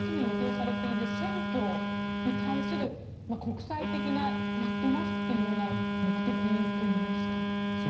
これは８月に予定されている選挙に対する、国際的なやってますっていうような目的とみますか？